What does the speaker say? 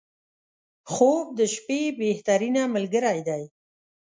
• خوب د شپې بهترینه ملګری دی.